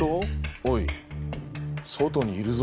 おい外にいるぞ。